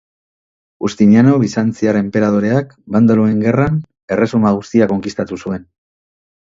Justiniano bizantziar enperadoreak Bandaloen Gerran erresuma guztia konkistatu zuen.